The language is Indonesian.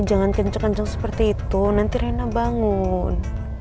jangan cek cek seperti itu nanti rina bangun